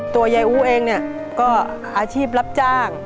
ยายอู้เองเนี่ยก็อาชีพรับจ้าง